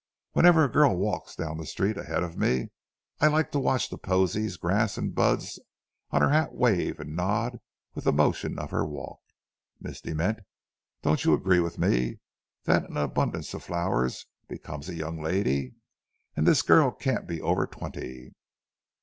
Whenever a girl walks down the street ahead of me, I like to watch the posies, grass, and buds on her hat wave and nod with the motion of her walk. Miss De Ment, don't you agree with me that an abundance of flowers becomes a young lady? And this girl can't be over twenty.'